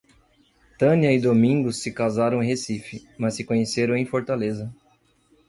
Tânia e Domingos se casaram em Recife, mas se conheceram em Fortaleza.